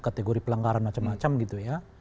kategori pelanggaran macam macam gitu ya